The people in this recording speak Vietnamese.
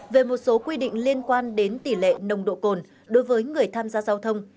về một số quy định liên quan đến tỷ lệ nồng độ cồn đối với người tham gia giao thông